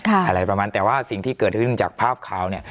อะไรประมาณแต่ว่าสิ่งที่เกิดขึ้นจากภาพข่าวเนี่ย